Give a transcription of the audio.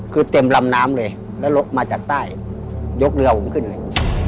คือเต็มลำน้ำเลยแล้วรถมาจากใต้ยกเรือผมขึ้นเลย